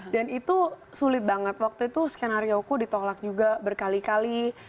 dan itu sulit banget waktu itu skenario ku ditolak juga berkali kali